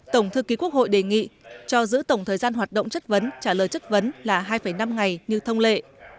tổng thư ký quốc hội đề nghị cho giữ tổng thời gian hoạt động chất vấn trả lời chất vấn là hai năm ngày như thông lệ